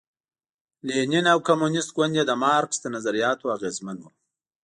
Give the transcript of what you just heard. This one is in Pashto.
لینین او کمونېست ګوند یې د مارکس له نظریاتو اغېزمن و.